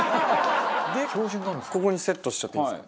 でここにセットしちゃっていいんですか？